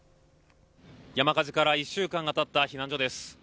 山火事から１週間がたった避難所です。